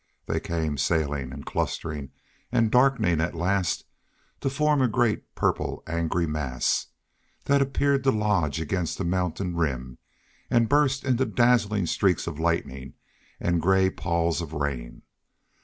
They came sailing and clustering and darkening at last to form a great, purple, angry mass that appeared to lodge against the mountain rim and burst into dazzling streaks of lightning and gray palls of rain.